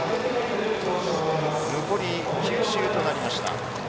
残り９周となりました。